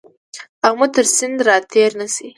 آمو تر سیند را تېر نه شې.